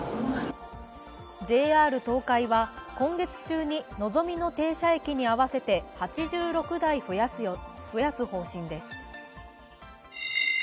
ＪＲ東海は今月中にのぞみの停車駅に合わせて８６台増やす方針です。